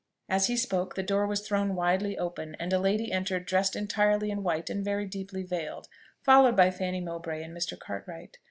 As he spoke, the door was thrown widely open, and a lady entered dressed entirely in white and very deeply veiled, followed by Fanny Mowbray and Mr. Cartwright.